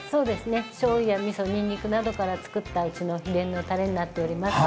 しょうゆやみそ、にんにくなどで作ったうちの秘伝のたれになっております。